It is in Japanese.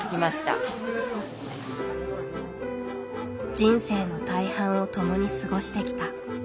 人生の大半をともに過ごしてきた。